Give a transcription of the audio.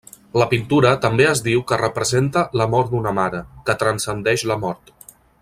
La pintura també es diu que representa l'amor d'una mare, que transcendeix la mort.